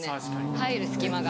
入る隙間が。